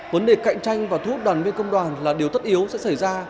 vấn đề cạnh tranh và thu hút đoàn viên công đoàn là điều tất yếu sẽ xảy ra